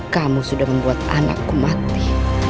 kamu sudah membuat anakku mati